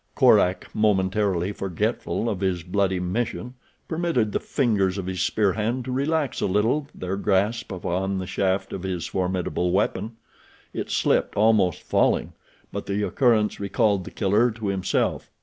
Korak, momentarily forgetful of his bloody mission, permitted the fingers of his spear hand to relax a little their grasp upon the shaft of his formidable weapon. It slipped, almost falling; but the occurrence recalled The Killer to himself.